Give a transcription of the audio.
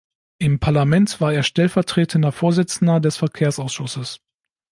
Im Parlament war er stellvertretender Vorsitzender des Verkehrsausschusses.